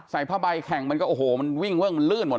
ผ้าใบแข่งมันก็โอ้โหมันวิ่งเวอร์มันลื่นหมด